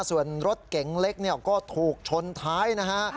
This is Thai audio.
ส่วนรถเก๋งเล็กเนี่ยก็ถูกชนท้ายนะฮะ